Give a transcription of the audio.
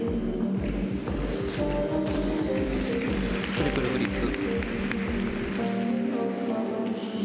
トリプルフリップ。